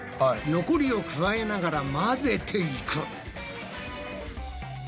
残りを加えながら混ぜていく。